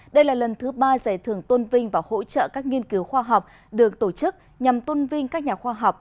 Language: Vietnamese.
đây là lần thứ ba giải thưởng tôn vinh và hỗ trợ các nghiên cứu khoa học được tổ chức nhằm tôn vinh các nhà khoa học